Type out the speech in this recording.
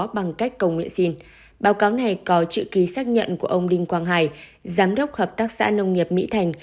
báo cáo này có trự ký xác nhận của ông đinh quang hải giám đốc hợp tác xã nông nghiệp mỹ thành